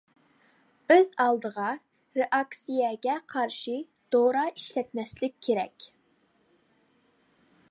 ئۆز ئالدىغا رېئاكسىيەگە قارشى دورا ئىشلەتمەسلىك كېرەك.